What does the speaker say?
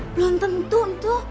belum tentu untuk